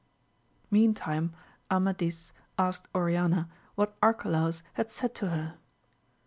EANTIME Amadis asked Oriana what Arca^ laus had said to her.